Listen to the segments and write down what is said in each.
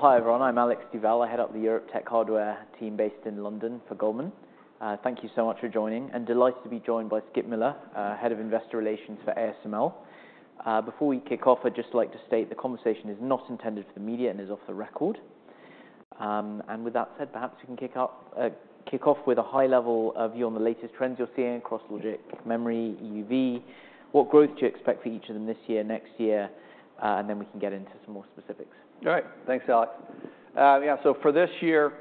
Great. Well, hi, everyone. I'm Alex Duval. I head up the Europe Tech Hardware team based in London for Goldman. Thank you so much for joining, and delighted to be joined by Skip Miller, head of Investor Relations for ASML. Before we kick off, I'd just like to state the conversation is not intended for the media and is off the record. And with that said, perhaps we can kick off with a high-level view on the latest trends you're seeing across logic, memory, EUV. What growth do you expect for each of them this year, next year, and then we can get into some more specifics. All right. Thanks, Alex. Yeah, so for this year,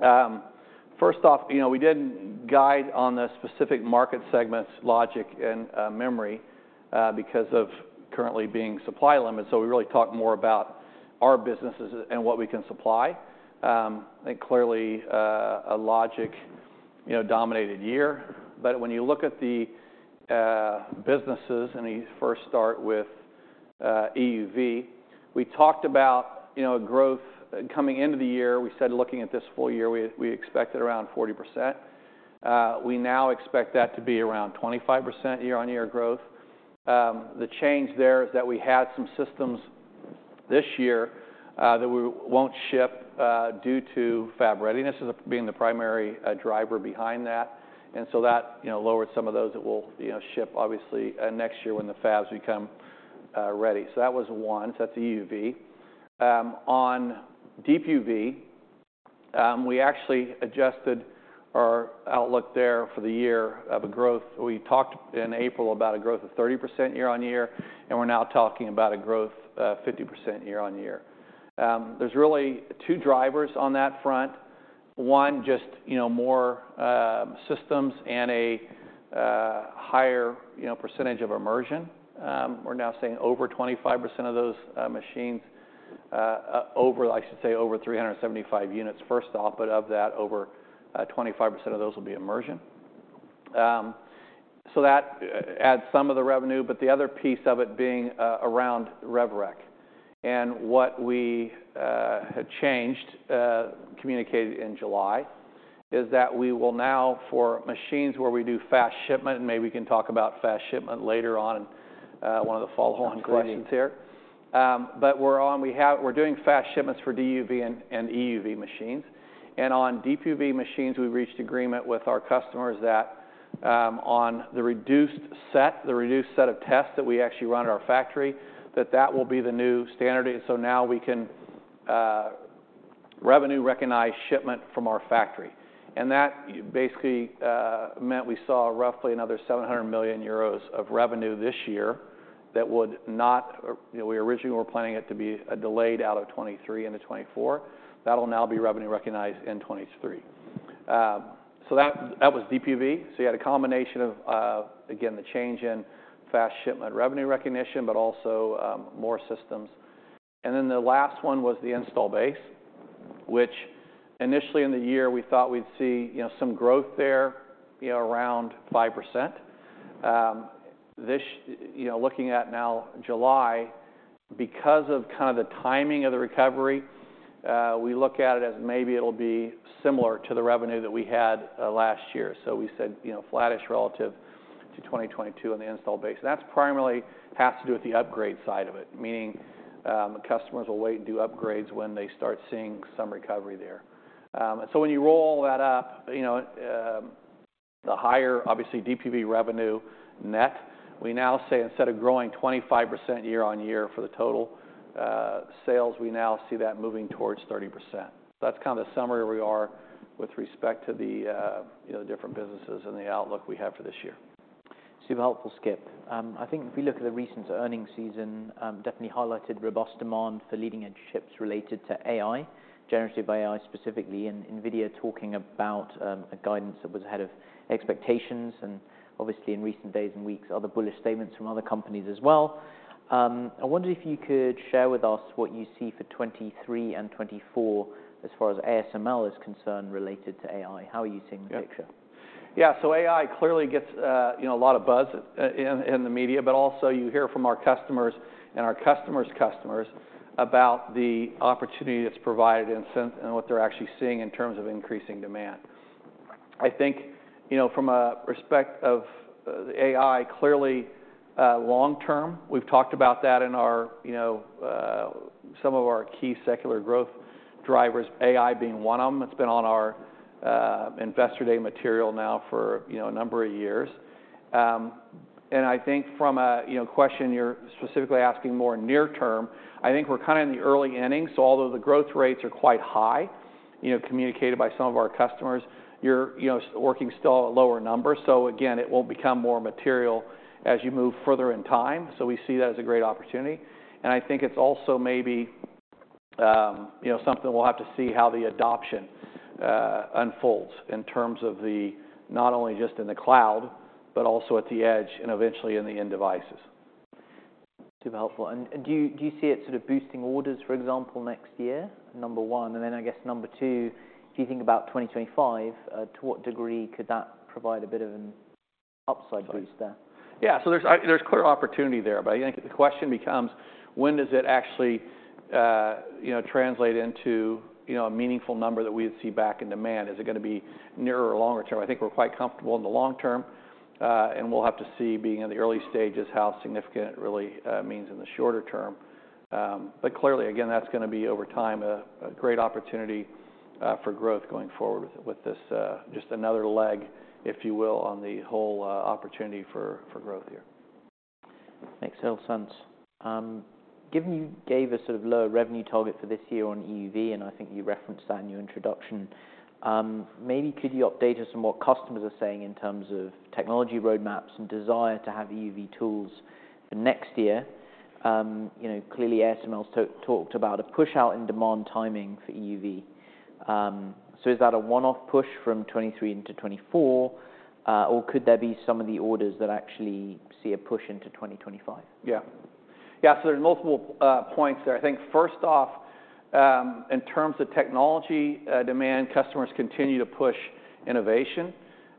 first off, you know, we did guide on the specific market segments, logic and memory, because of currently being supply limited, so we really talked more about our businesses and what we can supply. I think clearly, a logic, you know, dominated year. But when you look at the businesses, and you first start with EUV, we talked about, you know, growth coming into the year. We said looking at this full year, we expected around 40%. We now expect that to be around 25% year-on-year growth. The change there is that we had some systems this year that we won't ship due to fab readiness as being the primary driver behind that. And so that, you know, lowered some of those that will, you know, ship obviously next year when the fabs become ready. So that was one, so that's EUV. On Deep UV, we actually adjusted our outlook there for the year of a growth. We talked in April about a growth of 30% year-on-year, and we're now talking about a growth 50% year-on-year. There's really 2 drivers on that front. One, just, you know, more systems and a higher, you know, percentage of immersion. We're now seeing over 25% of those machines, over, I should say, over 375 units, first off, but of that, over 25% of those will be immersion. So that adds some of the revenue, but the other piece of it being around rev rec. What we had changed, communicated in July, is that we will now, for machines where we do fast shipment, and maybe we can talk about fast shipment later on in, one of the follow-on questions here. Great. But we're doing fast shipments for DUV and EUV machines. And on DUV machines, we've reached agreement with our customers that, on the reduced set, the reduced set of tests that we actually run at our factory, that that will be the new standard. So now we can revenue recognize shipment from our factory. And that basically meant we saw roughly another 700 million euros of revenue this year that would not... You know, we originally were planning it to be delayed out of 2023 into 2024. That'll now be revenue recognized in 2023. So that was DUV. So you had a combination of, again, the change in fast shipment revenue recognition, but also more systems. And then the last one was the installed base, which initially in the year, we thought we'd see, you know, some growth there, you know, around 5%. This, you know, looking at now July, because of kind of the timing of the recovery, we look at it as maybe it'll be similar to the revenue that we had, last year. So we said, you know, flattish relative to 2022 on the installed base. That's primarily has to do with the upgrade side of it, meaning, the customers will wait and do upgrades when they start seeing some recovery there. So when you roll all that up, you know, the higher, obviously, DUV revenue net, we now say instead of growing 25% year-on-year for the total, sales, we now see that moving towards 30%. That's kind of the summary where we are with respect to the, you know, different businesses and the outlook we have for this year. Super helpful, Skip. I think if you look at the recent earnings season, definitely highlighted robust demand for leading-edge chips related to AI, generative AI, specifically, and NVIDIA talking about, a guidance that was ahead of expectations, and obviously in recent days and weeks, other bullish statements from other companies as well. I wonder if you could share with us what you see for 2023 and 2024 as far as ASML is concerned, related to AI. How are you seeing the picture? Yeah. So AI clearly gets, you know, a lot of buzz in the media, but also you hear from our customers and our customers' customers about the opportunity that's provided and what they're actually seeing in terms of increasing demand. I think, you know, from a respect of AI, clearly long term, we've talked about that in our, you know, some of our key secular growth drivers, AI being one of them. It's been on our Investor Day material now for, you know, a number of years. And I think from a question you're specifically asking more near term, I think we're kind of in the early innings, so although the growth rates are quite high, you know, communicated by some of our customers, you're, you know, working still at lower numbers. So again, it will become more material as you move further in time. So we see that as a great opportunity. And I think it's also maybe, you know, something we'll have to see how the adoption unfolds in terms of the, not only just in the cloud, but also at the edge and eventually in the end devices. Super helpful. And do you see it sort of boosting orders, for example, next year, number 1? And then I guess number 2, do you think about 2025, to what degree could that provide a bit of an upside boost there? Yeah, so there's clear opportunity there, but I think the question becomes: When does it actually, you know, translate into, you know, a meaningful number that we see back in demand? Is it gonna be nearer or longer term? I think we're quite comfortable in the long term, and we'll have to see, being in the early stages, how significant it really means in the shorter term. But clearly, again, that's gonna be, over time, a great opportunity.... for growth going forward with this, just another leg, if you will, on the whole, opportunity for growth here. Makes total sense. Given you gave a sort of lower revenue target for this year on EUV, and I think you referenced that in your introduction, maybe could you update us on what customers are saying in terms of technology roadmaps and desire to have EUV tools for next year? You know, clearly, ASML's talked, talked about a push out in demand timing for EUV. So is that a one-off push from 2023 into 2024, or could there be some of the orders that actually see a push into 2025? Yeah. Yeah, so there are multiple points there. I think first off, in terms of technology demand, customers continue to push innovation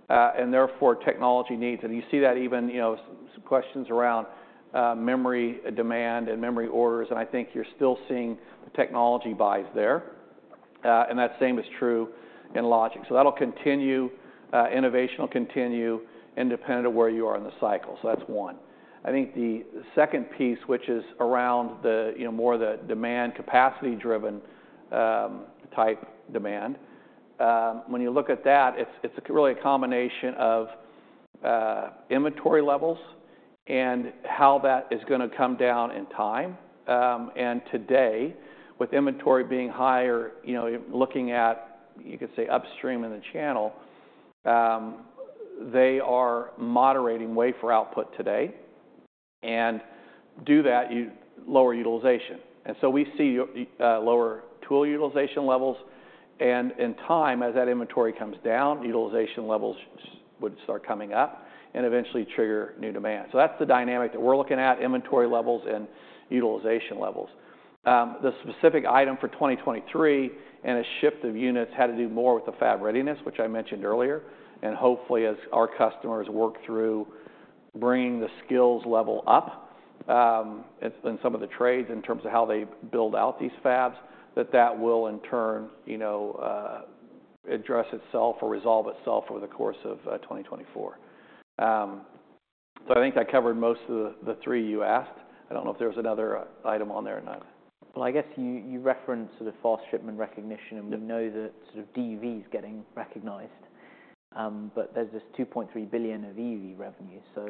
and therefore, technology needs. And you see that even, you know, some questions around memory demand and memory orders, and I think you're still seeing technology buys there. And that same is true in logic. So that'll continue, innovation will continue independent of where you are in the cycle. So that's one. I think the second piece, which is around the, you know, more the demand capacity-driven type demand. When you look at that, it's really a combination of inventory levels and how that is gonna come down in time. And today, with inventory being higher, you know, looking at, you could say, upstream in the channel, they are moderating wafer output today and do that, you lower utilization. So we see lower tool utilization levels, and in time, as that inventory comes down, utilization levels would start coming up and eventually trigger new demand. So that's the dynamic that we're looking at, inventory levels and utilization levels. The specific item for 2023 and a shift of units had to do more with the fab readiness, which I mentioned earlier. And hopefully, as our customers work through bringing the skills level up, in some of the trades in terms of how they build out these fabs, that that will in turn, you know, address itself or resolve itself over the course of 2024. So, I think I covered most of the three you asked. I don't know if there was another item on there or not. Well, I guess you referenced the fast shipment recognition- Mm-hmm. And we know that sort of DUV is getting recognized, but there's this 2.3 billion of EUV revenue. So,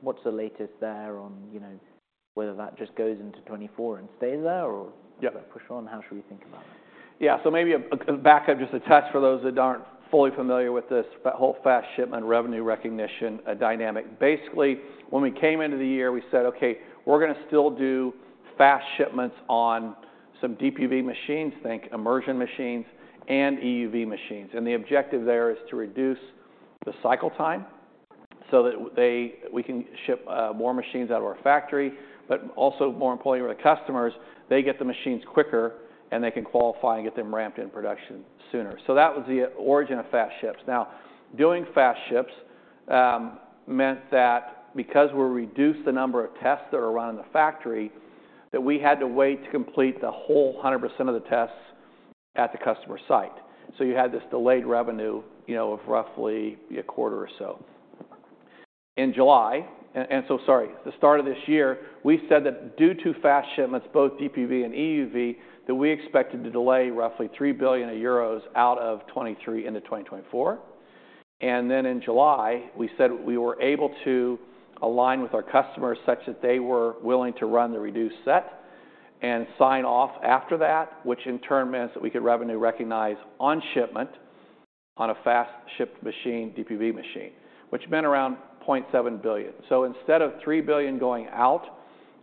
what's the latest there on, you know, whether that just goes into 2024 and stays there or- Yeah. Push on, how should we think about that? Yeah. So maybe a backup, just a test for those that aren't fully familiar with this, whole fast shipment revenue recognition dynamic. Basically, when we came into the year, we said, "Okay, we're gonna still do fast shipments on some DUV machines," think immersion machines and EUV machines. And the objective there is to reduce the cycle time so that we can ship more machines out of our factory, but also more importantly, with the customers, they get the machines quicker and they can qualify and get them ramped in production sooner. So that was the origin of fast ships. Now, doing fast ships meant that because we reduced the number of tests that are run in the factory, that we had to wait to complete the whole 100% of the tests at the customer site. So you had this delayed revenue, you know, of roughly a quarter or so. In July, and, and so—sorry, the start of this year, we said that due to fast shipments, both DUV and EUV, that we expected to delay roughly 3 billion euros out of 2023 into 2024. And then in July, we said we were able to align with our customers such that they were willing to run the reduced set and sign off after that, which in turn meant that we could revenue recognize on shipment on a fast shipped machine, DUV machine, which meant around 0.7 billion. So instead of 3 billion going out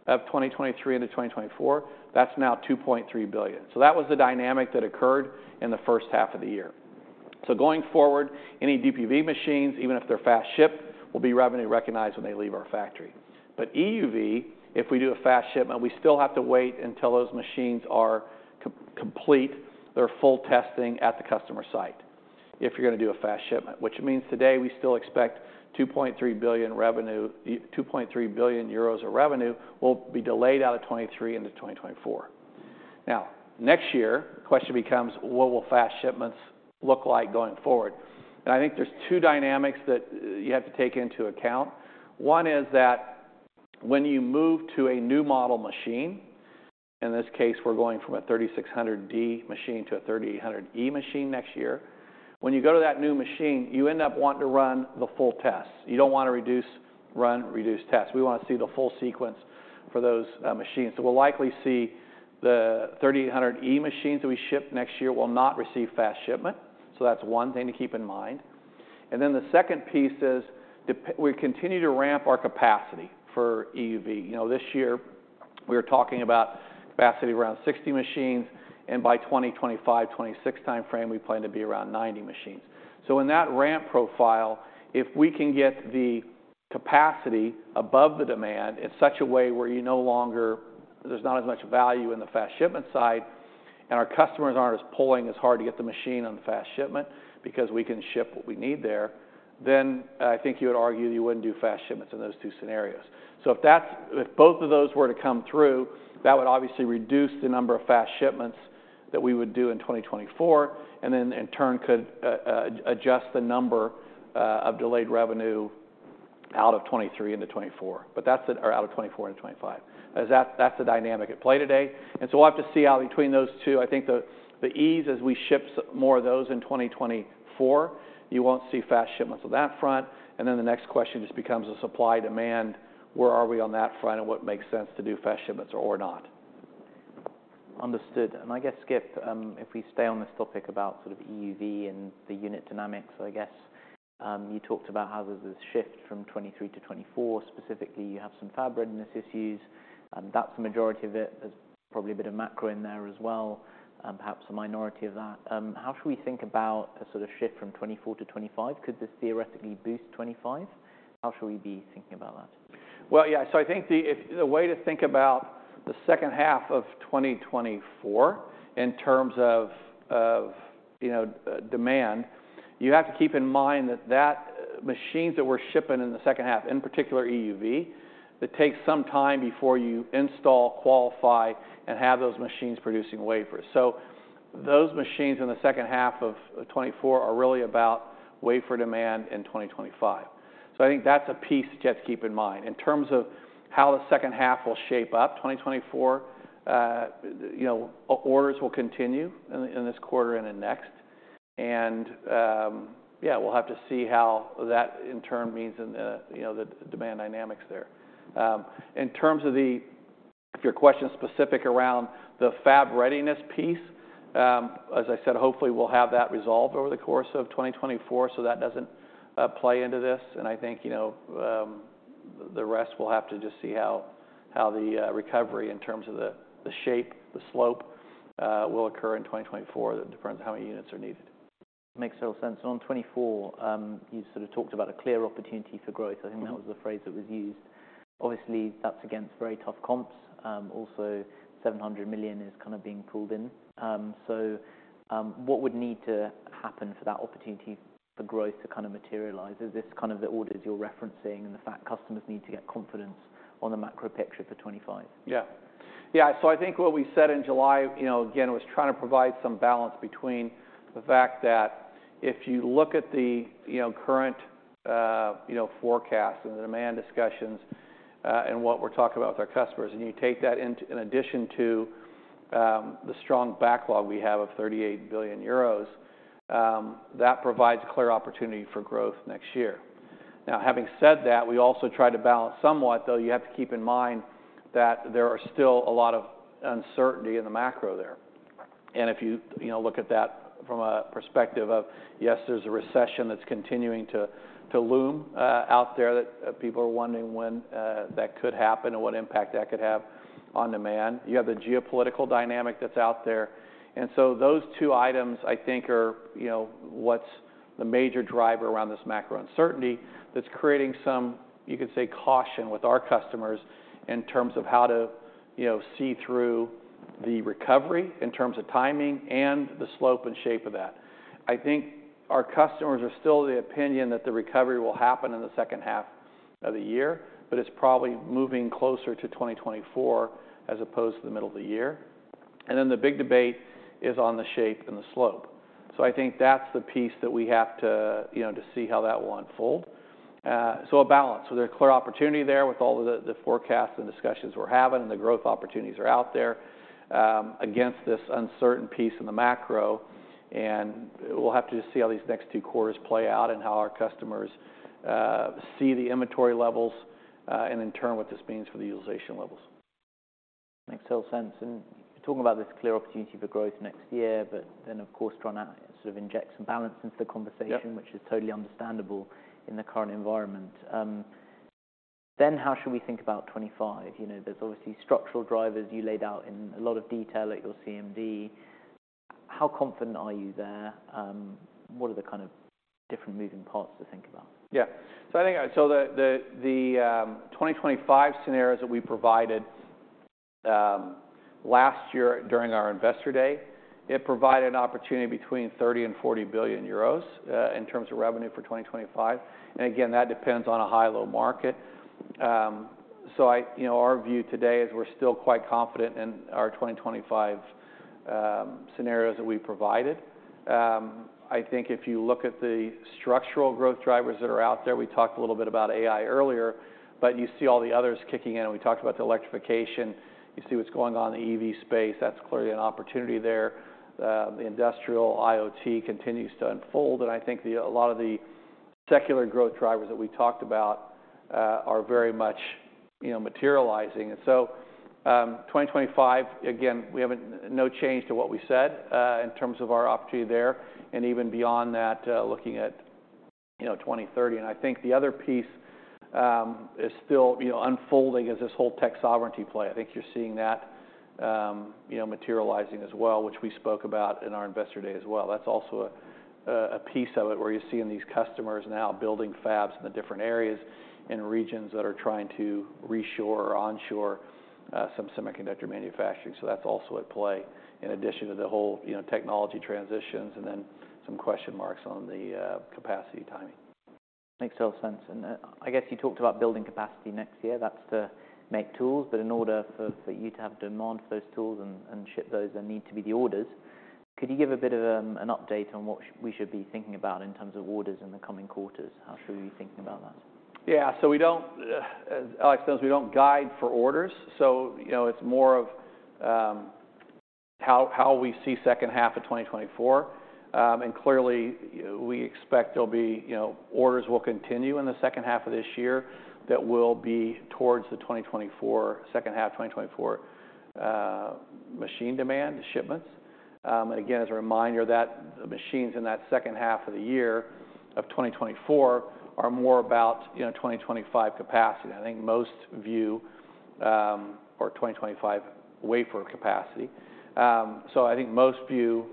of 2023 into 2024, that's now 2.3 billion. So that was the dynamic that occurred in the first half of the year. So going forward, any DUV machines, even if they're fast shipped, will be revenue recognized when they leave our factory. But EUV, if we do a fast shipment, we still have to wait until those machines are complete, their full testing at the customer site, if you're gonna do a fast shipment. Which means today, we still expect 2.3 billion revenue... 2.3 billion euros of revenue will be delayed out of 2023 into 2024. Now, next year, the question becomes: What will fast shipments look like going forward? And I think there's two dynamics that, you have to take into account. One is that when you move to a new model machine, in this case, we're going from a 3600D machine to a 3800 E machine next year. When you go to that new machine, you end up wanting to run the full test. You don't want to reduce, run reduced tests. We want to see the full sequence for those machines. So, we'll likely see the 3800E machines that we ship next year will not receive fast shipment. So that's one thing to keep in mind. And then the second piece is we continue to ramp our capacity for EUV. You know, this year we were talking about capacity around 60 machines, and by 2025, 2026 timeframe, we plan to be around 90 machines. So in that ramp profile, if we can get the capacity above the demand in such a way where you no longer there's not as much value in the fast shipment side, and our customers aren't as pulling as hard to get the machine on the fast shipment because we can ship what we need there, then I think you would argue you wouldn't do fast shipments in those two scenarios. So if that's if both of those were to come through, that would obviously reduce the number of fast shipments that we would do in 2024, and then in turn, could adjust the number of delayed revenue out of 2023 into 2024, but that's it or out of 2024 into 2025. As that's the dynamic at play today, and so we'll have to see how between those two, I think these as we ship more of those in 2024, you won't see fast shipments on that front. And then the next question just becomes a supply-demand. Where are we on that front, and what makes sense to do fast shipments or not? Understood. And I guess, Skip, if we stay on this topic about sort of EUV and the unit dynamics, I guess, you talked about how there's a shift from 2023 to 2024. Specifically, you have some fab readiness issues, and that's the majority of it. There's probably a bit of macro in there as well, and perhaps a minority of that. How should we think about a sort of shift from 2024 to 2025? Could this theoretically boost 2025? How should we be thinking about that? Well, yeah, so I think the way to think about the second half of 2024 in terms of, you know, demand, you have to keep in mind that machines that we're shipping in the second half, in particular EUV, it takes some time before you install, qualify, and have those machines producing wafers. So those machines in the second half of 2024 are really about wafer demand in 2025. So I think that's a piece you just keep in mind. In terms of how the second half will shape up, 2024, you know, orders will continue in this quarter and the next. And yeah, we'll have to see how that in turn means in the, you know, the demand dynamics there. In terms of if your question is specific around the fab readiness piece, as I said, hopefully we'll have that resolved over the course of 2024, so that doesn't play into this. I think, you know, the rest will have to just see how the recovery in terms of the shape, the slope, will occur in 2024. That depends on how many units are needed. Makes total sense. On 2024, you sort of talked about a clear opportunity for growth. Mm-hmm. I think that was the phrase that was used. Obviously, that's against very tough comps. Also, 700 million is kind of being pulled in. So, what would need to happen for that opportunity for growth to kind of materialize? Is this kind of the orders you're referencing, and the fact customers need to get confidence on the macro picture for 2025? Yeah. Yeah, so I think what we said in July, you know, again, was trying to provide some balance between the fact that if you look at the, you know, current, forecast and the demand discussions, and what we're talking about with our customers, and you take that in addition to, the strong backlog we have of 38 billion euros, that provides a clear opportunity for growth next year. Now, having said that, we also tried to balance somewhat, though you have to keep in mind that there are still a lot of uncertainty in the macro there. And if you, you know, look at that from a perspective of, yes, there's a recession that's continuing to loom, out there, that people are wondering when, that could happen and what impact that could have on demand. You have the geopolitical dynamic that's out there. And so those two items, I think, are, you know, what's the major driver around this macro uncertainty that's creating some, you could say, caution with our customers in terms of how to, you know, see through the recovery in terms of timing and the slope and shape of that. I think our customers are still of the opinion that the recovery will happen in the second half of the year, but it's probably moving closer to 2024, as opposed to the middle of the year. And then the big debate is on the shape and the slope. So I think that's the piece that we have to, you know, to see how that will unfold. So a balance. There's clear opportunity there with all of the forecasts and discussions we're having, and the growth opportunities are out there, against this uncertain piece in the macro, and we'll have to just see how these next two quarters play out and how our customers see the inventory levels, and in turn, what this means for the utilization levels. Makes total sense. You're talking about this clear opportunity for growth next year, but then, of course, trying to sort of inject some balance into the conversation- Yep... which is totally understandable in the current environment. Then, how should we think about 2025? You know, there's obviously structural drivers you laid out in a lot of detail at your CMD. How confident are you there? What are the kind of different moving parts to think about? Yeah. So, I think, so the 2025 scenarios that we provided last year during our Investor Day, it provided an opportunity between 30 billion and 40 billion euros in terms of revenue for 2025. And again, that depends on a high-low market. So, I, you know, our view today is we're still quite confident in our 2025 scenarios that we provided. I think if you look at the structural growth drivers that are out there, we talked a little bit about AI earlier, but you see all the others kicking in. We talked about the electrification. You see what's going on in the EV space. That's clearly an opportunity there. The Industrial IoT continues to unfold, and I think a lot of the secular growth drivers that we talked about are very much, you know, materializing. And so, 2025, again, we have no change to what we said in terms of our opportunity there, and even beyond that, looking at, you know, 2030. And I think the other piece is still, you know, unfolding as this whole tech sovereignty play. I think you're seeing that, you know, materializing as well, which we spoke about in our Investor Day as well. That's also a, a piece of it, where you're seeing these customers now building fabs in the different areas in regions that are trying to reshore or onshore some semiconductor manufacturing. So that's also at play in addition to the whole, you know, technology transitions and then some question marks on the capacity timing. Makes total sense. I guess you talked about building capacity next year. That's to make tools, but in order for you to have demand for those tools and ship those, there need to be the orders... Could you give a bit of an update on what we should be thinking about in terms of orders in the coming quarters? How should we be thinking about that? Yeah, so we don't, as Alex says, we don't guide for orders. So, you know, it's more of, how we see second half of 2024. And clearly, we expect there'll be, you know, orders will continue in the second half of this year. That will be towards the 2024, second half of 2024, machine demand shipments. Again, as a reminder, that the machines in that second half of the year of 2024 are more about, you know, 2025 capacity. I think most view, or 2025 wafer capacity. So I think most view,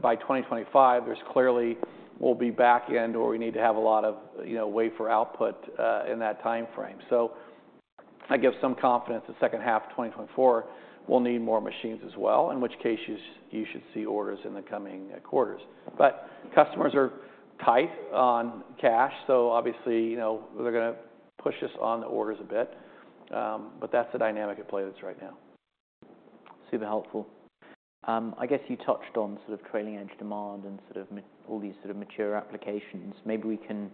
by 2025, there's clearly we'll be back end or we need to have a lot of, you know, wafer output, in that time frame. So I give some confidence that second half of 2024, we'll need more machines as well, in which case you should see orders in the coming quarters. But customers are tight on cash, so obviously, you know, they're gonna push us on the orders a bit. But that's the dynamic at play that's right now. Super helpful. I guess you touched on sort of trailing edge demand and sort of all these sort of mature applications. Maybe we can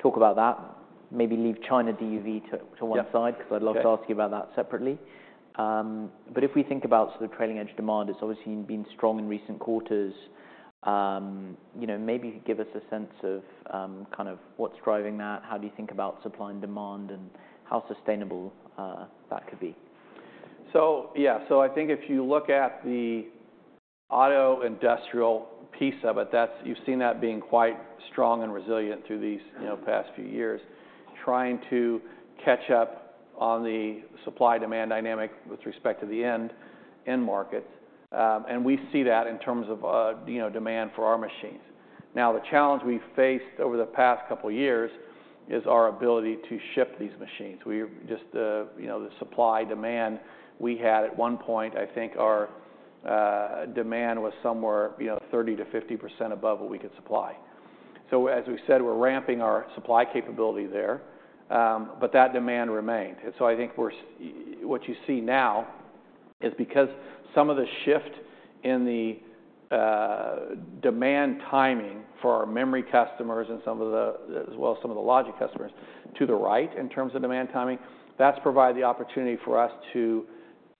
talk about that, maybe leave China DUV to one side- Yeah. Because I'd love to ask you about that separately. But if we think about sort of trailing edge demand, it's obviously been strong in recent quarters. You know, maybe give us a sense of kind of what's driving that. How do you think about supply and demand, and how sustainable that could be? So, yeah. So I think if you look at the auto industrial piece of it, that's, you've seen that being quite strong and resilient through these, you know, past few years, trying to catch up on the supply-demand dynamic with respect to the end markets. And we see that in terms of, you know, demand for our machines. Now, the challenge we faced over the past couple of years is our ability to ship these machines. We just, you know, the supply/demand we had at one point, I think our demand was somewhere, you know, 30%-50% above what we could supply. So as we said, we're ramping our supply capability there, but that demand remained. And so I think what you see now is because some of the shift in the, demand timing for our memory customers and some of the, as well as some of the logic customers to the right in terms of demand timing, that's provided the opportunity for us to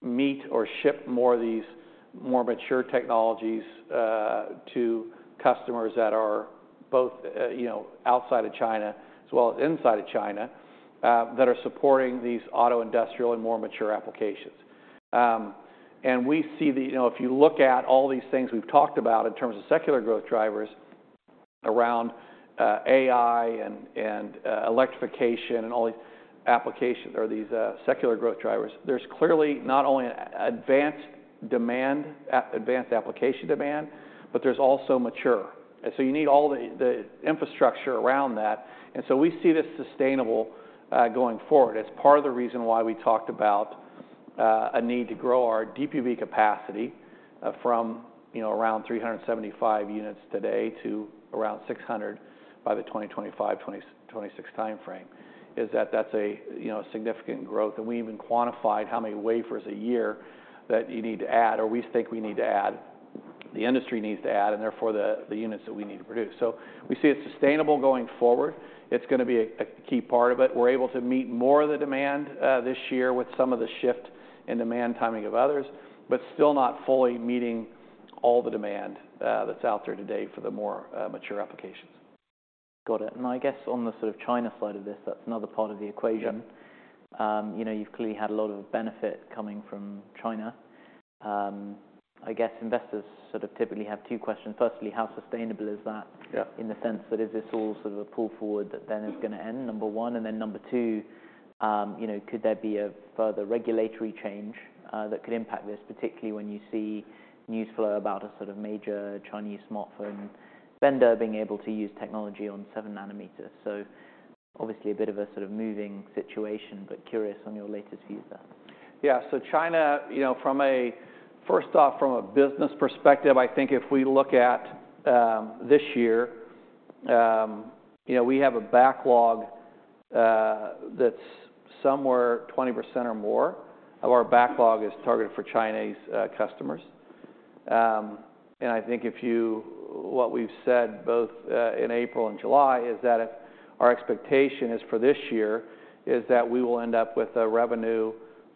meet or ship more of these more mature technologies, to customers that are both, you know, outside of China as well as inside of China, that are supporting these auto, industrial, and more mature applications. And we see the... You know, if you look at all these things we've talked about in terms of secular growth drivers around, AI and, and, electrification and all these applications or these, secular growth drivers, there's clearly not only an advanced demand, advanced application demand, but there's also mature. And so, you need all the infrastructure around that, and so we see this sustainable going forward. It's part of the reason why we talked about a need to grow our DUV capacity, from, you know, around 375 units today to around 600 by the 2025–2026-time frame. That's a, you know, significant growth. And we even quantified how many wafers a year that you need to add, or we think we need to add, the industry needs to add, and therefore, the units that we need to produce. So, we see it sustainable going forward. It's gonna be a key part of it. We're able to meet more of the demand this year with some of the shift in demand timing of others, but still not fully meeting all the demand that's out there today for the more mature applications. Got it. And I guess on the sort of China side of this, that's another part of the equation. Yeah. You know, you've clearly had a lot of benefit coming from China. I guess investors sort of typically have two questions. Firstly, how sustainable is that? Yeah. In the sense that is this all sort of a pull forward, that then it's gonna end? Number 1, and then number 2, you know, could there be a further regulatory change, that could impact this, particularly when you see news flow about a sort of major Chinese smartphone vendor being able to use technology on 7 nm? So obviously a bit of a sort of moving situation, but curious on your latest view of that. Yeah. So, China, you know, first off, from a business perspective, I think if we look at this year, you know, we have a backlog that's somewhere 20% or more of our backlog is targeted for Chinese customers. And I think what we've said, both in April and July, is that our expectation is for this year, is that we will end up with a revenue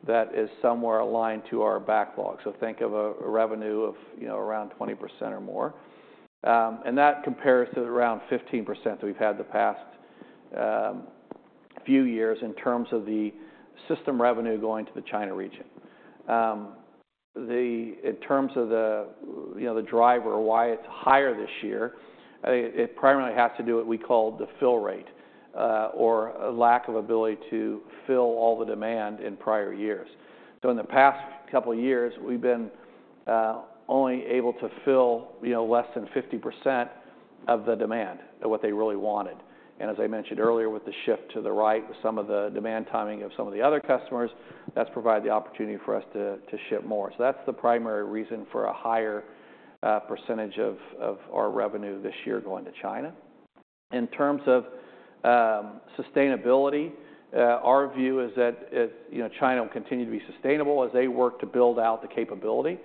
that is somewhere aligned to our backlog. So, think of a revenue of, you know, around 20% or more. And that compares to around 15% that we've had the past few years in terms of the system revenue going to the China region. In terms of the driver, why it's higher this year, it primarily has to do with what we call the fill rate, or a lack of ability to fill all the demand in prior years. So in the past couple of years, we've been only able to fill, you know, less than 50% of the demand of what they really wanted. And as I mentioned earlier, with the shift to the right, with some of the demand timing of some of the other customers, that's provided the opportunity for us to ship more. So that's the primary reason for a higher percentage of our revenue this year going to China. In terms of sustainability, our view is that it, you know, China will continue to be sustainable as they work to build out the capability.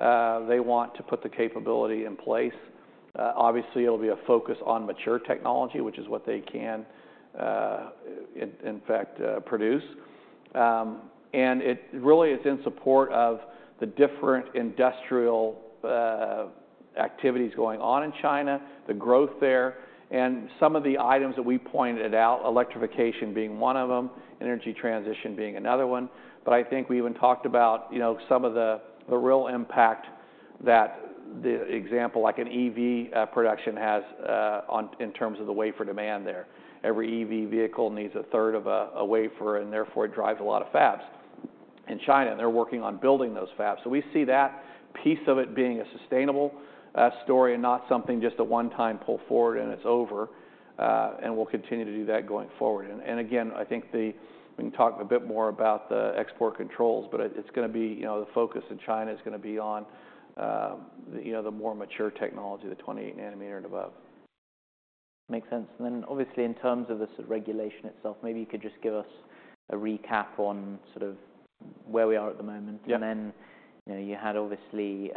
They want to put the capability in place. Obviously, it'll be a focus on mature technology, which is what they can in fact produce. And it really is in support of the different industrial activities going on in China, the growth there, and some of the items that we pointed out, electrification being one of them, energy transition being another one. But I think we even talked about, you know, some of the real impact that the example, like an EV production has in terms of the wafer demand there. Every EV vehicle needs a third of a wafer, and therefore, it drives a lot of fabs. In China, they're working on building those fabs. So, we see that piece of it being a sustainable story and not something just a one-time pull forward, and it's over, and we'll continue to do that going forward. And again, I think we can talk a bit more about the export controls, but it's gonna be, you know, the focus in China is gonna be on, you know, the more mature technology, the 20 nm and above. Makes sense. And then obviously, in terms of the sort of regulation itself, maybe you could just give us a recap on sort of where we are at the moment. Yeah. And then, you know, you had obviously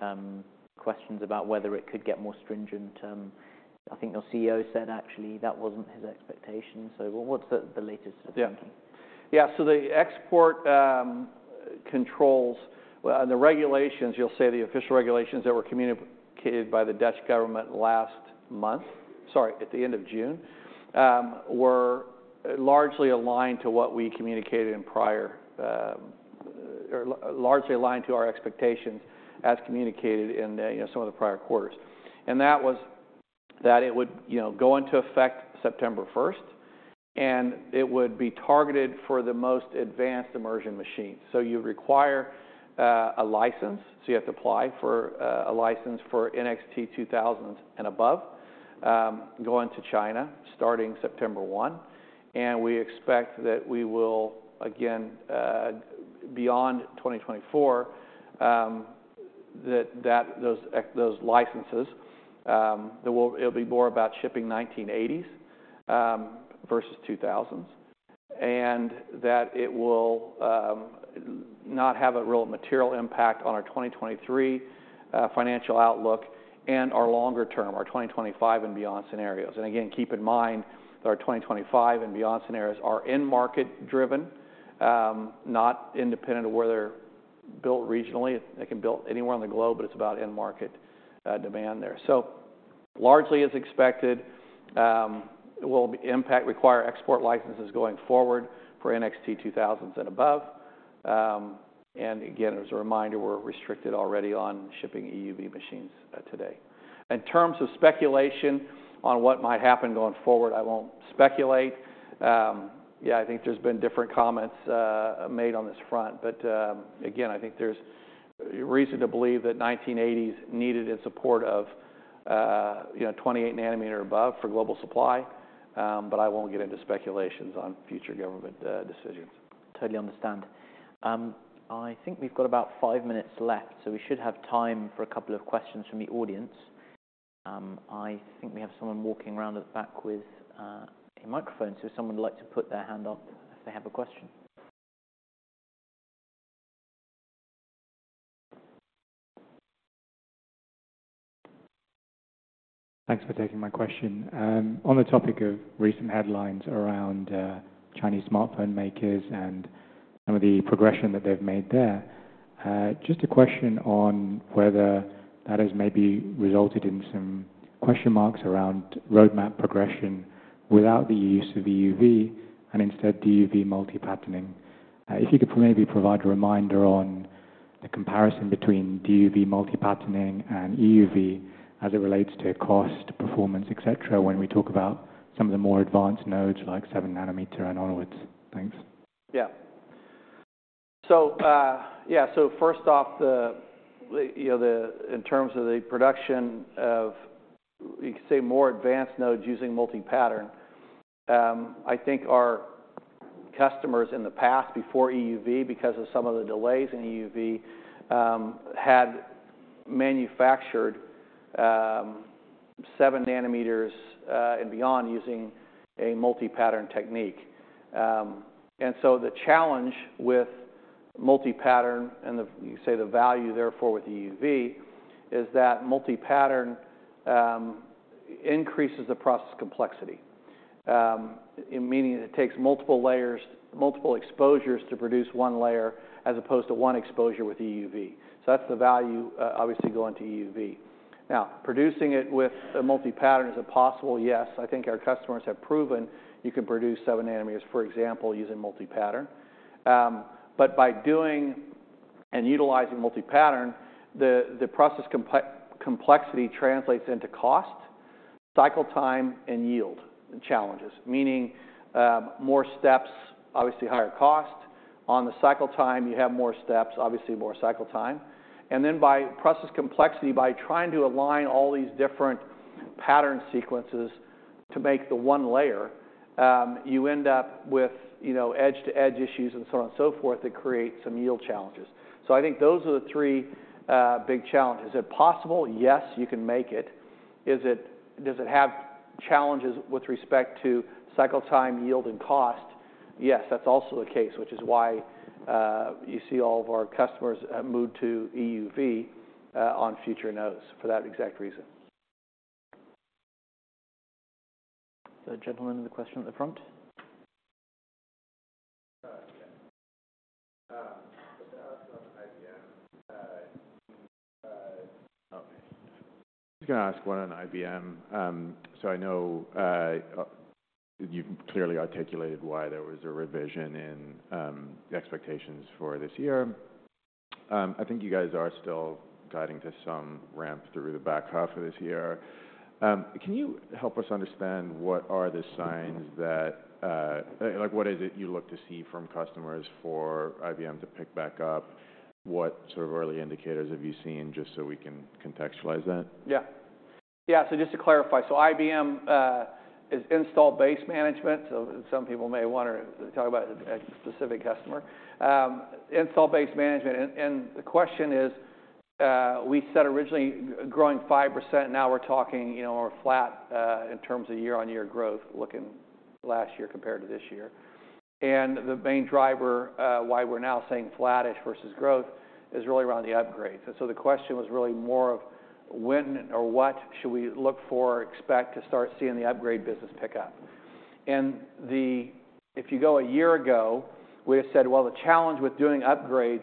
questions about whether it could get more stringent. I think your CEO said actually that wasn't his expectation. So what's the latest thinking? Yeah. Yeah, so the export controls, well, and the regulations, you'll say the official regulations that were communicated by the Dutch government last month, sorry, at the end of June, were largely aligned to what we communicated in prior or largely aligned to our expectations as communicated in the, you know, some of the prior quarters. And that was that it would, you know, go into effect September 1, and it would be targeted for the most advanced immersion machines. So you require a license, so you have to apply for a license for NXT:2000 and above, going to China, starting September 1. We expect that we will, again, beyond 2024, that those export licenses, there will, it'll be more about shipping 1980s versus 2000s, and that it will not have a real material impact on our 2023 financial outlook and our longer term, our 2025 and beyond scenarios. Again, keep in mind that our 2025 and beyond scenarios are end-market driven, not independent of where they're built regionally. They can build anywhere on the globe, but it's about end-market demand there. Largely as expected, it will require export licenses going forward for NXT:2000s and above. Again, as a reminder, we're restricted already on shipping EUV machines today. In terms of speculation on what might happen going forward, I won't speculate. Yeah, I think there's been different comments made on this front, but again, I think there's reason to believe that 1980s needed in support of you know 28 nm above for global supply, but I won't get into speculations on future government decisions. Totally understand. I think we've got about five minutes left, so we should have time for a couple of questions from the audience. I think we have someone walking around at the back with a microphone. So if someone would like to put their hand up if they have a question. Thanks for taking my question. On the topic of recent headlines around Chinese smartphone makers and some of the progression that they've made there, just a question on whether that has maybe resulted in some question marks around roadmap progression without the use of EUV and instead DUV multipatterning. If you could maybe provide a reminder on the comparison between DUV multipatterning and EUV as it relates to cost, performance, et cetera, when we talk about some of the more advanced nodes, like 7 nm and onwards. Thanks. Yeah. So, yeah, so first off, you know, in terms of the production of, you could say, more advanced nodes using multi-patterning, I think our customers in the past, before EUV, because of some of the delays in EUV, had manufactured 7 nm and beyond using a multi-patterning technique. And so, the challenge with multi-patterning, and, you say, the value therefore with EUV, is that multi-patterning increases the process complexity. Meaning it takes multiple layers, multiple exposures to produce one layer, as opposed to one exposure with EUV. So that's the value, obviously, going to EUV. Now, producing it with a multi-patterning, is it possible? Yes. I think our customers have proven you can produce 7 nm, for example, using multi-patterning. But by doing and utilizing multi-patterning, the process complexity translates into cost, cycle time, and yield challenges. Meaning, more steps, obviously higher cost. On the cycle time, you have more steps, obviously more cycle time. And then by process complexity, by trying to align all these different pattern sequences to make the one layer, you end up with, you know, edge-to-edge issues and so on and so forth, that create some yield challenges. So I think those are the three big challenges. Is it possible? Yes, you can make it. Does it have challenges with respect to cycle time, yield, and cost? Yes, that's also the case, which is why you see all of our customers move to EUV on future nodes for that exact reason. The gentleman with the question in the front. Yeah. I'd like to ask on IBM. Okay. Just gonna ask one on IBM. So I know you've clearly articulated why there was a revision in the expectations for this year. I think you guys are still guiding to some ramp through the back half of this year. Can you help us understand what are the signs that, like, what is it you look to see from customers for IBM to pick back up? What sort of early indicators have you seen, just so we can contextualize that? Yeah. Yeah, so just to clarify, so IBM is Installed Base Management. So some people may wonder, talk about a specific customer. Installed Base Management, and the question is, we said originally growing 5%, now we're talking, you know, we're flat in terms of year-on-year growth, looking last year compared to this year. And the main driver why we're now saying flattish versus growth is really around the upgrades. And so the question was really more of when or what should we look for or expect to start seeing the upgrade business pick up? And the... If you go a year ago, we have said, well, the challenge with doing upgrades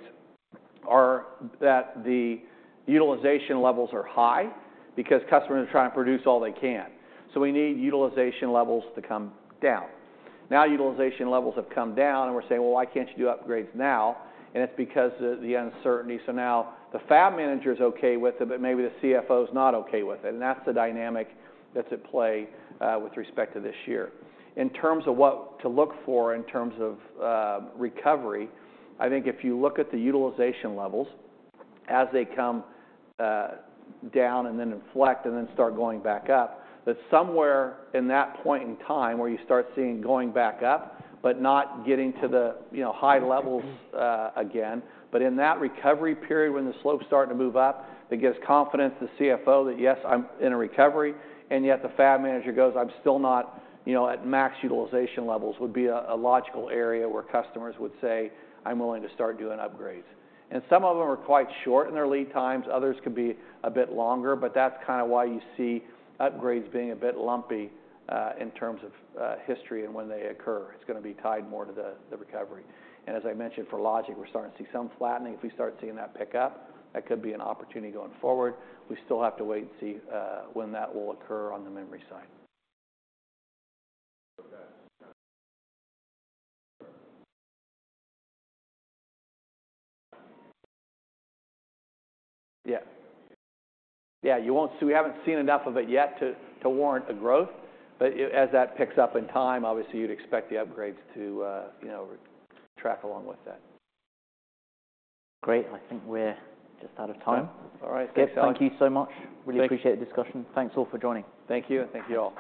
are that the utilization levels are high because customers are trying to produce all they can. So we need utilization levels to come down. Now, utilization levels have come down, and we're saying: "Well, why can't you do upgrades now?" And it's because of the uncertainty. So now the fab manager is okay with it, but maybe the CFO is not okay with it, and that's the dynamic that's at play, with respect to this year. In terms of what to look for in terms of, recovery, I think if you look at the utilization levels as they come, down and then inflect and then start going back up, that somewhere in that point in time where you start seeing going back up but not getting to the, you know, high levels, again. But in that recovery period, when the slope's starting to move up, it gives confidence to the CFO that, yes, I'm in a recovery, and yet the fab manager goes, "I'm still not, you know, at max utilization levels," would be a logical area where customers would say, "I'm willing to start doing upgrades." And some of them are quite short in their lead times, others could be a bit longer, but that's kind of why you see upgrades being a bit lumpy in terms of history and when they occur. It's gonna be tied more to the recovery. And as I mentioned, for logic, we're starting to see some flattening. If we start seeing that pick up, that could be an opportunity going forward. We still have to wait and see when that will occur on the memory side. Okay. Yeah. Yeah... So we haven't seen enough of it yet to warrant a growth, but as that picks up in time, obviously, you'd expect the upgrades to, you know, track along with that. Great. I think we're just out of time. All right. Thank you so much. Thank you. Really appreciate the discussion. Thanks all for joining. Thank you, and thank you all.